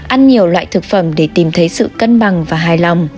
ăn nhiều loại thực phẩm để tìm thấy sự cân bằng và hài lòng